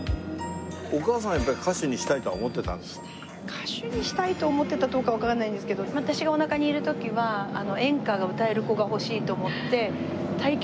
歌手にしたいと思ってたどうかわかんないんですけど私がおなかにいる時は演歌が歌える子が欲しいと思ってホント？